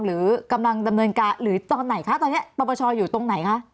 หรือกำลังดำเนินการหรือตอนไหนคะตอนนี้ปปชอยู่ตรงไหนคะ